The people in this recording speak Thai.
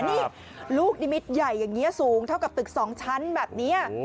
นี่ลูกนิมิตใหญ่อย่างนี้สูงเท่ากับตึก๒ชั้นแบบนี้